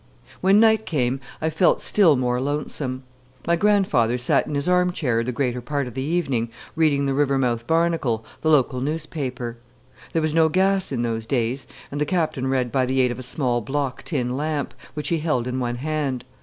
When night came, I felt still more lonesome. My grandfather sat in his arm chair the greater part of the evening, reading the Rivermouth Bamacle, the local newspaper. There was no gas in those days, and the Captain read by the aid of a small block tin lamp, which he held in one hand.